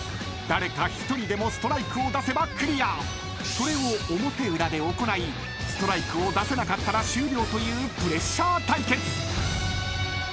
［それを表裏で行いストライクを出せなかったら終了というプレッシャー対決］